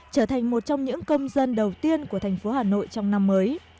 trở thành một trong những công dân đầu tiên của thành phố hà nội trong năm mới